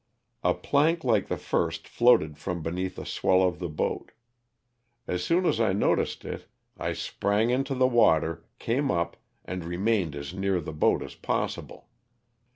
A plank like the first floated from beneath the swell of the boat. As soon as I noticed it I sprang into the water, came up, and remained as near the boat as possible.